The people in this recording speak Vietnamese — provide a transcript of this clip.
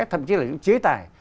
thậm chí là những chế tài